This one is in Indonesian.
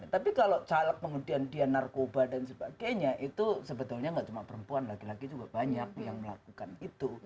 tapi kalau caleg kemudian dia narkoba dan sebagainya itu sebetulnya nggak cuma perempuan laki laki juga banyak yang melakukan itu